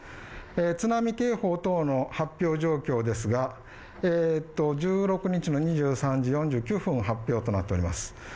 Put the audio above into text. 津波警報等の発表状況ですが１６日の２３時４９分発表となっております